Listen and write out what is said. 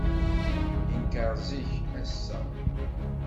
Yenker zik, ass-a.